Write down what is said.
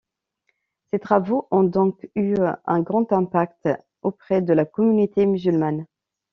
Ses travaux ont donc eu un grand impact auprès de la communauté musulmane.